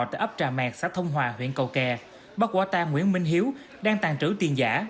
tại ấp trà mẹt xã thông hòa huyện cầu kè